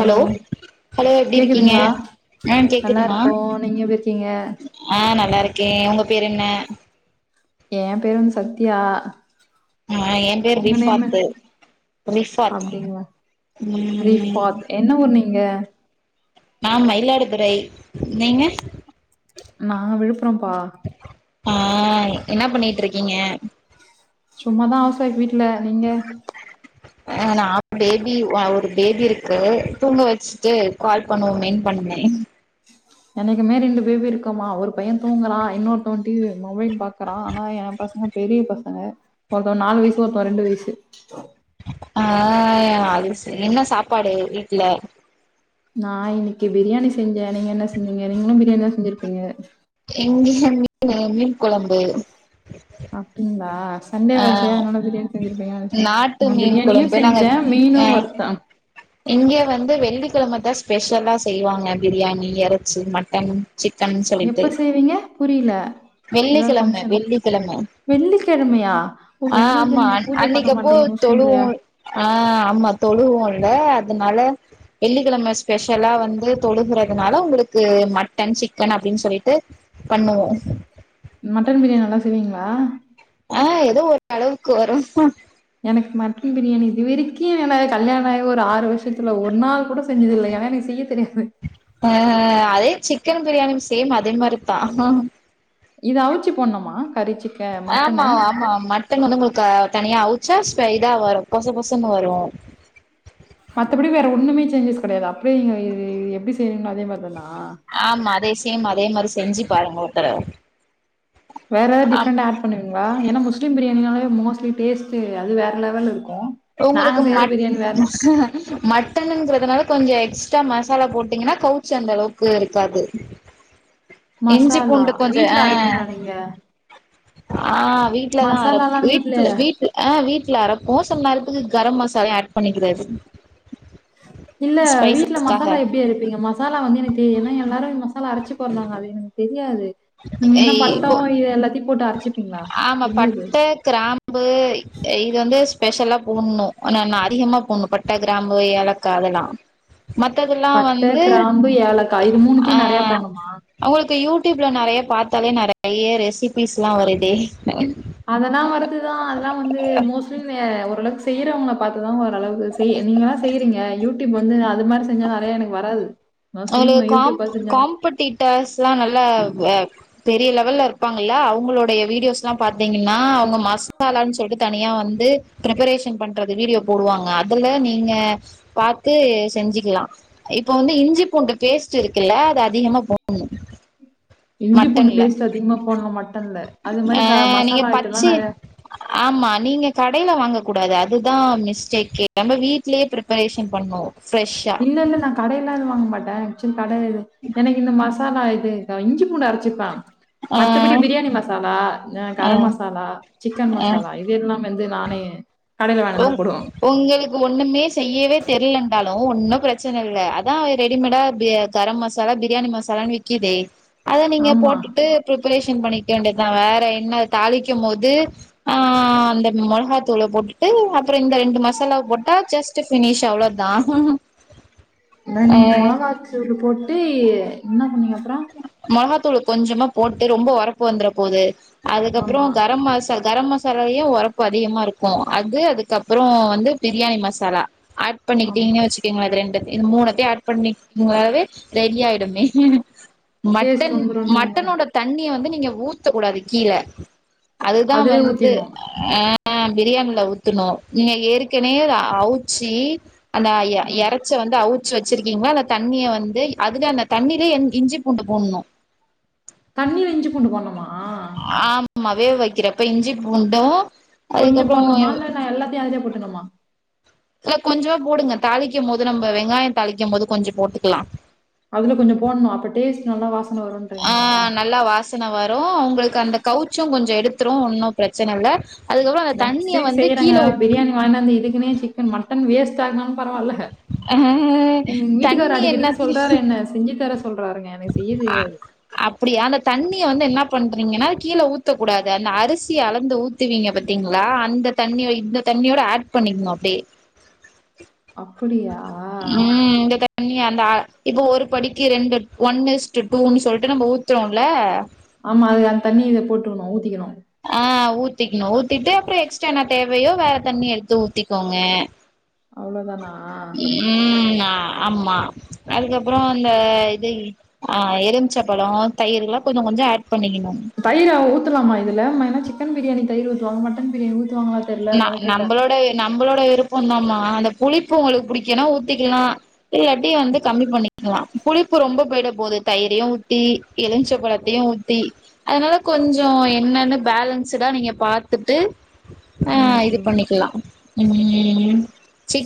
Hello hello எப்டிருக்கீங்க கேக்குதுங்களா ஆ நல்லா கேக்குதுமா இருக்கோ நீங்க எப்டி இருக்கீங்க ஆ நல் நல்லாருக்கே உங்க பேர் என்ன ஏ பேர் வந்து சத்யா ஆ என் பேரு உங்க நேமு ரிஃபாத்து ரிஃபாத் அப்டிங்களா உம் இங்க நா மயிலாடுதுறை நீங்க நான் விழுப் ஆ என்னா பண்ணிட்ருக்கிங்க சும்மாதா அவுஸ் வைஃப் வீட்ல நீங்க அ நா பேபி ஒ ஒரு பேபியிருக்கு தூங்க வச்சிட்டு கால் பண்ணுவோமேன் பண்ணே எனக்கு மே ரெண்டு பேபியிருக்குமா ஒரு பைய தூங்குறா இன்னொருத்தவ டி வீ மொபைல் பாக்கறா ஆனா என் பசங்க பெரிய பசங்க ஒருத்தவ நாலு வயசு ஒருத்தவ ரெண்டு வயசு [inaudible] ஆ அது சே என்ன சாப்பாடு வீட்ல நா இன்னிக்கி பிரியாணி செஞ்சே நீங்க என்ன செஞ்சிங்க நீங்க நீங்களு பிரியாணி தா செஞ்சிருப்பிங்க இங்கயா மீனு மீன் கொலம்பு சன்டேவாச்சே அதனால பிரியாணி செஞ்சிருப்பிங்க நெனச்சே நாட்டு நா மீன் பிரியாணியு கொழம்பு நாங்க செஞ்சே மீனு ஆ வருத்தே இங்க வந்து வெள்ளிக்கெழம தா ஸ்பெஷலா செய்வாங்க பிரியாணி எறச்சி மட்டன் சிக்கன் சொல்லிட்டு எப்ப செய்வீங்க புரில ஏதாவது வெள்ளிக்கெழம ஃபங்க்ஷன் வெள்ளிக்கெழம வெள்ளிக்கெழமையா ஓ ஆ உங்களுக்கு ஆமா நீங்க பூஜ பண்ண அன்னைக் அப்போ மாட்டீங்க முஸ்லீம் தொழுவோ இல்லையா ஆ ஆமா தொழுவோ ல அதனால வெள்ளிக்கெழம ஸ்பெஷலா வந்து தொழுகறதுனால உங்ளுக்கு மட்டன் சிக்கன் அப்டின்னு சொல்லிட்டு பண்ணுவோ மட்டன் பிரியாணி நல்லா செய்வீங்ளா ஆ எதோ ஒர் அளவுக்கு வரு எனக் மட்டன் பிரியாணி இது வரிக்கு எனக் கல்யாண ஆயி ஒரு ஆறு வருஷத்ல ஒர் நாள் கூட செஞ்சதில்ல ஏனா எனக் செய்ய தெரியாத் இப்ப அதே சிக் கன் பிரியாணியு சேம் அதே மாரித்தா இது அவுச்சி போட்ணும்மா ஆமா ஆமா மட்டனு வந்து உங்ளுக்க தனியா அவுச்ச ஸ்பைடா வரு பொச பொசன்னு வரு மத்தபடி வேற ஒண்ணுமே சேஞ்சஸ் கெடயாத அப்டியே நீங்க இது இ எப்டி செய்வீங்ளோ அதே மாரி தானா ஆமா அதே சேம் அதே மாரி செஞ்சு பாருங்க ஒருத்தடவ வேற ஏதாது டிப்ரெண்ட்டா ஏட் பண்ணுவீங்களா ஏனா முஸ்லீம் பிரியாணினால மோஸ்லி டேஸ்ட் அது வேற லெவல் இருக் உங்களுக்கு மட் மட்டன்ங்கிறதுனால கொஞ்சோ எக்ஸ்ட்ரா மசாலா போட்டீங்கன்னா கவுச்சி அந்த அளவுக்கு இருக்காது இஞ்சி மசாலா பூண்டு கொஞ்ச வீட்ல ஏ அரைப்பீங்களா நீங்க? ஆ வீடலதா அரப் மசாலாலாம் வீட்ல வீட்டுல வீட்டுல ஆஹ் வீட்டுல அரப்போ சொன்ன மாரி [unintelligible] கரம் மசாலா ஆட் பண்ணிக்கிறது இல்ல வீட்டுல ஸ்பைசஸ்க்காக மசாலா எப்படி அரைப்பீங்க மசாலா வந்து எனக்கு தெரியலன்னா எல்லாரு மசாலா அரச்சு போட்றாங்க அது எனக்கு தெரியாது நீங்க என்ன இப்ப பட்டம் இது எல்லாத்தையும் போட்டு அரைச்சுப்பீங்களா? ஆமா எப்படி அது? பட்ட கிராம்பு இது வந்து ஸ்பெஷலா போட்ணு என்னனா அதிகமா போட்ணு பட்ட கிராம்பு ஏலக்கா அதெல்லா மத்ததெல்லா பட்டை, வந்து கிராம்பு, ஏலக்காய் இது நெறையா அஹ பண்ணுமா? உங்களுக்கு யூ டியூப் யூப்ல நெறைய பாத்தாலே நெறைய ரெசிபிஸ்ல்லா வருது அதெல்லாம் வருதுதா அதெல்லாம் வந்து மோஸ்ட்லி ஏ ஒரு லட்ச செய்யறவங்கள பாத்து தா ஓரளவு செய் நீங்கெல்லா செய்றீங்க யூடியூப் வந்து அது மாரி செஞ்சா நெறைய எனக்கு வராது. மோஸ்ட்லி அவங்களுக்கு காம் பார்த்து செஞ்சவங்க காம்பிடிட்டர்ஸ்லாம் நல்லா பெரிய லெவல்ல இருப்பாங்கல்ல அவங்களுடைய வீடியோஸ் எலாம் பார்த்தீங்கன்னா அவங்க மசாலான்னு சொல்லிட்டு தனியா வந்து ப்ரிபரேஷன் பண்றது வீடியோ போடுவாங்க அதுல நீங்க பாத்து செஞ்சி க்லாம் இப்ப வந்து இஞ்சி பூண்டு பேஸ்ட் இருக்குல்ல அது அதிகமா போட்ணும் இஞ்சி பூண்டு பேஸ்ட் அதிகமா போட்ணும் மட்டன்ல அது ஆ மாரி க நீங்க மசாலா ஐட்டம் பச்சி எல்லாம் நெறைய ஆமா நீங்க கடையில வாங்கக் கூடாது அதுதா மிஸ்டேக் நம்ம வீ்ட்லேயே பிரிப்பரேஷன் பண்ணும் இல்ல இல்ல நா கடைலல்லா எதும் வாங்க மாட்டே கடை இது எனக்கு இந்த மாச மசாலா இது இஞ்சி பூண்டு அரைச்சிப்ப ஆ மத்தபடி பிரியாணி மசாலா ஆ கரம் மசாலா சிக்கன் மசாலா இது எல்லாமே வந்து நானே கடையில வாங்கிட்டு வந்து உங் தான் போடுவேன். உங்களுக்கு ஒண்ணுமே செய்யவே தெரியல ன்ட்டாலும் ஒன்னும் பிரச்சன இல்ல அதா ரெடிமேடா கரம் மசாலா பிரியாணி மசாலான்னு விக்குதே அத நீங்க ஆமா. போட்டுட்டு பிரிப்பரேஷன் பண்ணிக்க வேண்டியதுதா வேற என்ன தாளிக்கும்போது ஆ அந்த மிளகாத்தூளை போட்டு டு அப்பறோ இந்த ரெண்டு மசாலா போட்டா ஜஸ்ட் பினிஷ் அவ்ளோதா ஆ ரெண்ட் மொளகாத்து போட்டு த்து என்ன பண்லா மொளகாத் தூளு கொஞ்சமா போட்டு ரொம்ப ஒரப்பு வந்துற போது அதுக்கப்றோ ஆமா கரம் மாசா கரம் மசாலயே ஒரப்பு அதிகமாருக்கும் அது அதுக்கப்பறோ வந்து பிரியாணி மசாலா ஆட் ஆமா பண்ணிக்கிட்டீங்கன்னே வச்சுக்கீங்லே அது ரெண்டு இந்த மூணத்தையும் ஆட் பண்ணிங்களாவே ரெடியாயிடுமே டேஸ்ட் மட்டன் வந்துருன்றீங்க மட்டனோட தண்ணிய வந்து நீங்க ஊத்தக் கூடாது கீழ அதுதா அதுலயே வந்து ஊத்திட்ணு அ ஆ பிரியாணில ஊத்துணும் நீங்க ஏற்கனவே அத அவுச்சி அந்த அ எ ம் எறச்ச வந்து அவு சி வச்சிருக்கீங்களா இல்ல தண்ணிய வந்து அது ல அந்த தண்ணியில இஞ்சிப் பூண்டு போட்னு தண்ணி வெஞ்சு கொண்டு போனோ ஆமாவேவ வைக்கிறப்ப இஞ்சி பூண்டு கொஞ்சம் அதுக்கப்புறோ போட்ணோம ல்ல எல்லத்தையு அத்லயே போ ட்டணுமா இல்ல கொஞ்சமா போடுங்க தாளிக்கு நம்ப வெங்காய தாலிக்கு போது கொஞ்ச போட்டுக்கலா அதுல கொஞ்சபோட்ணு அப்ப டேஸ்ட் நல்லா வாச ஹ நல்லா வாச பிரச்சன வரு அவங்களுக்கு அந்த கவுச்ச கொஞ்ச எடுத்துரு ஒன்னு பிரச்சனல்ல நெக்ஸ்ட் வீக் செய்றங்க பிரியாணி வாங்கினாந்து இதுக்குன்னே சிக்கன் மட் டன் வேஸ்ட் வேஸ்டானலு பரவால்ல ஆ ம் வீட்டுக்கார் தண்ணி அடிக்கடிக்கு என்னத்திரி சொல்றாரு யென்ன செஞ்சு தர சொல்றாருங்க வேஸ் அ அப்டியா அந்த தண்ணிய வந்து என்னாப் பண்றீங்கன்னா கீழ ஊத்தக்கூடாது அந்த அரிசியளந்து ஊத்துவீங்கபாத்தீங்ளா அந்த தண்ணி இந்த தண்ணியோட ஆட் பண்ணிகனு அப்டியே அப்படியா ம் இந்த இப்ப ஒரு படிக்கு ரெண்டு ஒன் ஈஸ்ட் டூன்னு சொல்லிட்டு நம்ப ஊத்றோல்ல ஆமா அது அந்த தண்ணி போட்டுக்கணு ஊத்திக்கணு ஆஹ் ஊத்திக்கணு ஊத்திட்டு அப்ற எக்ஸ்ட்ரா என்ன தேவயோ வேற தண்ணியெடுத்து ஊத்திக்கோங்க அவ்ளோதானா ம் ஆ ஆமா அதுக்கப்ற இந்த இது ஆ எலுமிச்சப்பழ தயிரெல்லா கொஞ்ச கொஞ்ச ஆட் பண்ணிக்கனு லாமா இதுல மெயினா சிக்கன் பிரியாணி தயிர் ஊத்துவாங்க மட்டன் பிரியாணி ஊத் ந நம்பளோட நம்பளோட ப்பந்தாமா அந்த புளிப்பு உங்களுக்கு புடிக்குன்னா ஊத்திக்லா இல்லாட்டி வந்து கம்மி பண்ணிக்கலா புளிப்பு ரொம்ப போயிடப் போது தயிரையு ஊத்தி எலுமிச்ச பழத்தையு ஊத்தி அதனால கொஞ்ச என்னன்னு பேலன்ஸடா நீங்க பாத்துட்டு அ ம், இத ம். பண்ணிக்கலாம் உம்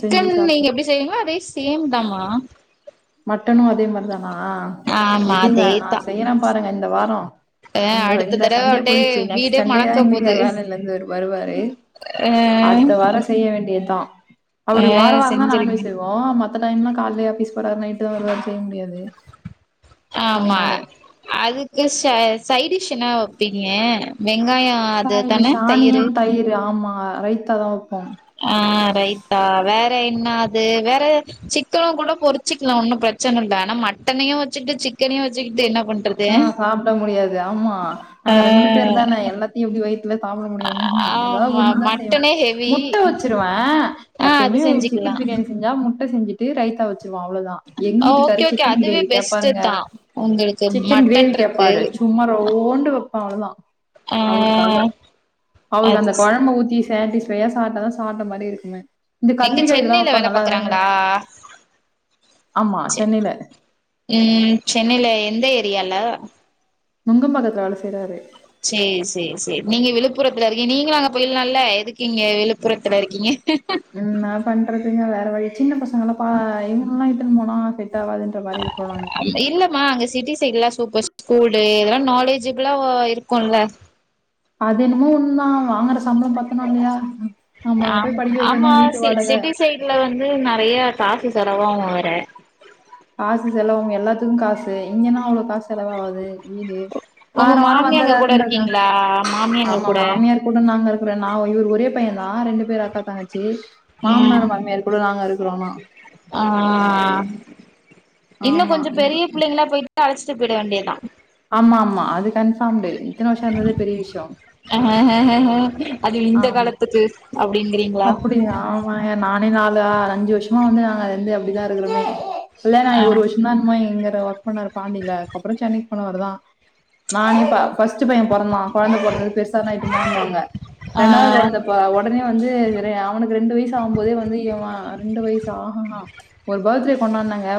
செஞ்சு நீங்க சாப்புடுவோம். எப்படி செய்விங்களோ அதே சேம் தாமா மட்டனு அதே மாரிதா ஆ ஆமா விடுங்க நா அதேதா செய்யறே பாருங்க இந்த வாரோ ஆ இந்த அடுத்த இந்த தடவ சண்டே அப்டியே போயிடுச்சு நெக்ஸ்ட் வீடே சண்டே தா மணக்க எ போது வீட்டுக்கார் வேலையில இருந்து வருவாரு ஆ அடுத்த வார செய்ய வேண்டியதுதா ஆ அவரு வார வார தா செஞ்சிருங்க நான்வேஜ் செய்வோ மத் த்த டைம்ல கால்லே ஆபிஸ் நைட்டு தா வருவாறு செய்ய முடியாது ஆமா அதனால அதுக்கு சை சைடிஷ் என்ன வப்பீங்க வெங்காயம் அது தான சாய்டிஷ் ஆனியன் தயிரு ஆமா ரைத் தா வப்போம் அ ரைத்தா வேற என்னாது வேற சிக்கனு கூட பொறிச்சு ஒன்னு பிரச்சன இல்ல ஆனா மட்டனையு வச்சிட்டு சிக்கனையு வச்சுக்கிட்டு என்ன பண்றது? ஆ சாப்ட முடியாது ஆம்மா ஆ நாங்க ரெண்டு பேர் தான எல்லாத்தையு எப்டி வைத் து சாப்பிட முடியு ஏதாவது ஆமா ஒன்னுதா செய்வோ மட்டனே ஹெவி. முட்டை வச்சிருவ ஆ அது எப்பயுமே சிக்கன் செஞ்சுக்கலாம். பிரியாணி செஞ்சா முட் செஞ்சிட்டு ரைத்தா வச்சி திரும்ப அவ்ளோதா எங் வீட்டுக்காரு ஓகே ஓகே சிக்கன் அதுவே கிரேவி பெஸ்ட்டு கேப்பாருங்க தான். உங்களுக்கு சிக்கன் மட்டன் கிரேவி இருக்கு. கேப்பாரு சும்ம ரவோண்டு வப்ப அவ்ளோதா ஆ அவருக்காக அவருக்கு அது அந்த செ கொழம்ப ஊத்தி சேட்டிஸ் சுவையா சாப்ட்டா தா சாப்ட மாரி இருக்குமே இந்த எங்க கத்திரிக்கா இதெல்லா சென்னைல வேல வப்பாங்கல்ல அதெல்லா எனக்கு பாக்குறாங்களா ஆமா சென்னையில ம் சென்னையில எந்த ஏர் தெரியல நுங்கம்பாக்கத்துல வேல செய்றாரு செரி செரி செரி நீங்க விழுப்புரத்துல இருக்கீ நீங்களு அங்க போய்ரலால்ல எதுக்கு இங்க விழுப்புரத்துல இருக்கீங்க ம் என்ன பண்றதுங்க வேற சின்ன பச பசங்கள ப [unintelligible] எத்துன் போனா சேரி இல்லமா அங்க சிட்டி சைட்ல்லா சூப்பர் ஸ்கூடு இதெல்லா நாலேஜபிளாவ இருக்கூல்ல அது என்னுமோ ஒன் தா வாங்குற சம்பளம் பத்தணு இல்லையா நம்ம அங்க ஆமா போய் படிக்க வைக்கணு ஆமா வீட்டு வாடக சிட்டி சைடல வந்து நறைய காஃபி செலவாவு வேற காசு செலவாவு எல்லாத்துக்கு காசு இங்கன்னா அவ்ளோ காசு செலவாவாது வீடு உங்க வார வாரோ மாமியா அங்க கூட வந்தறாருன்றுங்க இருக்கீங்களா மாமியா அங்க ஆமா கூட மாமியார் கூட நாங்க இருக்றே நா இவர் ஒரே பையன் நா ரெண்டு பேர் அக்காத்தங்க ச்சி ம் மாமனார் மாமியார் கூட நாங்க இரு [unintelligible] ஆ இன்னு ஆமா கொஞ்ச நீ பெரிய பிள்ளைங்களா போயிட் அழைச்சிட்டு போய்ட வேண்டியதுதா ஆமா ஆமா அது கன்பார்ம்டு இத்தன வருஷ இருந்தது பெரிய விஷய அது இந்த ஆம் காலத்துக்கு அப்டிங்கிறீங்களா அப்பிடியா ஆமா ஏ நானே நாலு ஆ அஞ்சு வருஷ்ம் வந்து நாங்க இருந்து அப்படிதா இருக்குறோமே ஆ கல்யாணாய் ஒரு வர்ஷோந்தா என்மோ இங்க அ ஒர்க் பண்ணரு பாண்டில அப்றோ சென்னைக் போனவரு தா நா இங் பா ஃபர்ஸ்ட்டு பைய பொறந்தா குழந்தை பொறந்து பெருசான இட்டுணுவானுவாங்க ஆ ரெண்டாது கொழந்த ப்ப ஒடனே வந்து ரே அவுனுக்கு ரெண்டு வயசு ஆவும்போதே வந்து இவ அ ரெண்டு வய்சு ஆ ஹ ஹா ஒரு பர்த்டே கொண்டான்னங்க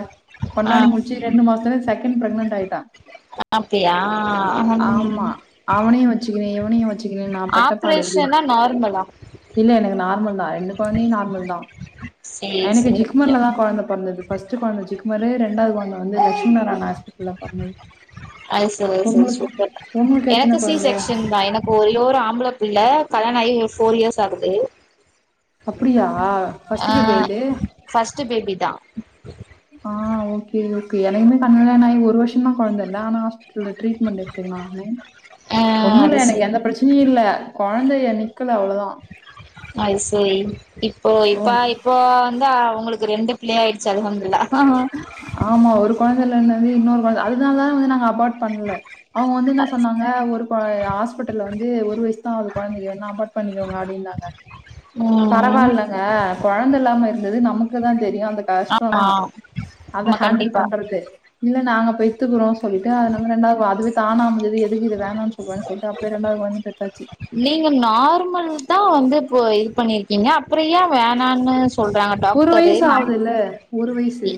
ஆ கொண்டாடி முடிச்சி ரெண்டு மாஸ்த்துலே செகண் [inaudible] ப்ரெக்னன்ட் ஆயிட்ட அப்டியா அஹம் [unintelligible] வச்சிக்கினு நா பட்ட படுது நார்மலா இல்ல எனக்கு நார்மல் தா ரெண்டு கொழந்தையு நார்மல் தா சேரி எனக்கு சேரி ஓகே ஜிக்மர்ல தா கொழந்த பொறந்துது ஃபஸ்ட்டு கொழந்த ஜிக்மரு ரெண்டாவது கொழந்த வந்து லட்சுமண [unintelligible] ஹாஸ்பி அது செரி அது செரி உங்களுக்கு சூப்பர் உங்களுக்கு எனக்கு எத்தன சி கொழந்த செக்ஷன் தா எனக்கு ஒரே ஒரு ஆம்ள புள்ள கல்யாண ஆகி ஒரு ஃபோர் இயர்ஸ் ஆகுது அப்படியா பஸ்டு ஆ போபியா இது ஃபர்ஸ்ட் பேபி தா ஆ ஓகே ஓகே எனக்குமே கல்யாண ஆகி ஒரு வருஷ தா கொழந்த இல்ல ஆனா ட்ரிட்மென்ட் எடுத்துக்க ஆ ஒண்ணு இல்ல அது எனக்கு சரி எந்த பிரச்சனையு இல்ல கொழ குழந்தை அணி அது செரி இப்போ இப்ப ஓ இப்போ வந்து அவுங்களுக்கு ரெண்டு பிள்ளையாயிடுச்சி ஆமா ஒரு கொழந்தைல என்னது இன்னொரு அதனால தான வந்து நாங்க அபார்ட் பண்ணல அவுங்க வந்து என்ன சொன்னாங்க ஒரு கொ ஹாஸ்பிட்டல வந்து ஒரு வயசு கொழந்தைக்கு வேனா அபா்ட் பண்ணிக்கோங்க அப்டினாங்க ம் பரவால்லங்க கொழந்த இல்லாம து நமக்கு தா தெரியு அ ஆமா கஷ்டோந்தா அத ஆமா ஹேண்டில் கண்டிப்பா பண்றது நாங்க போயத்துக்கிறோ சொல்லிட்டு அதது வந்து ரெண்டாவது அதுவே தானாம து எதுக்கு இ வேணாண்ணு சொல்லுவன்னு சொல்லிட்டு அடியே ரெண்டாது வாங்கி தைச்சாச்சு நீங்க நார்மல் தா வந்து இப்போ இது பண்ணிருக்கீங்க அப்றையே வேணான்னு சொல்றாங்க டாக்டரு வயசு நம் ஆகுதுல்ல. வயசு. எ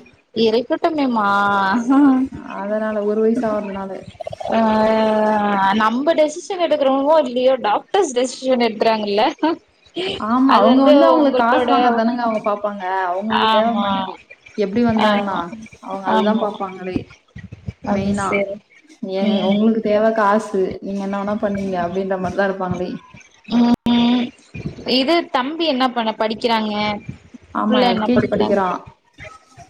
இறைக்கு ட்டமேமா அதனால ஒரு வயசு ஆறதுனால டெசிசன் எடுக்கறமோ இல்லயோ டாக்டர்ஸ் டெசிஷன் எடுத்துறாங்கல்ல ஆமா அவங்க வந்து அவங்களுக்கு காசு வாங்கறதானேங்க அவங்க பாபப்பாங்க அவங்களுக்கு தேவ ஆமா மணி எப்படி வந்தான்ன்னா ஆமா அவங்க அதுதா ஆமா பாபப்பாங்களே அது மெயினா சரி ஏங்க ம் உங்களுக்கு தேவ காசு நீங்க என்ன வேணா பண்ணீங்க அப்படின்ற மாரிதா இருப்பாங்கடி ம் இது தம்பி என்ன பண்ண படிக்கிறாங்க ஆமா புள்ள என்ன எல்கேஜி படிக்கிறாங்க படிக்கிறா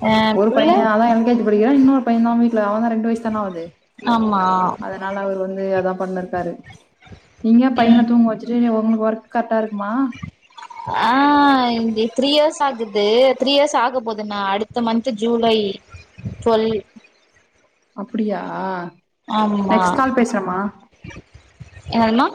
ஆ ஒரு புள்ள பைய அதா எல் கே ஜி படிக்கிறா இன்னொரு பயினாமிக் அவ தா ரெண்டு வயசுான ஆவுது ஆமா அதனால அவர் வந்து அதா பண்ணக்காரு நீங்க ம் பையன தூங்க வச்சட்டு [unintelligible] ஒர்க் கரட்டா இருக்குமா ஆஹ் இ த்ரீ இயர்ஸ் ஆகுது த்ரீ இயர்ஸ் ஆக போதுண்ணா அடுத்த மந்த் ஜூலை டுவல் அப்படியா ஆமா என்னா